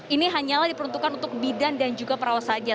ini hanyalah diperuntukkan untuk bidan dan juga perawat saja